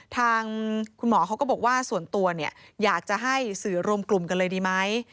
ทางคุณหมอเขาก็บอกว่าส่วนตัวเนี่ยอยากจะให้สื่อรวมกลุ่มกันเลยดีไหม